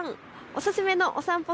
おすすめのお散歩